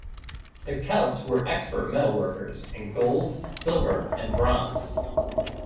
The Celts were expert metalworkers, in gold, silver and bronze.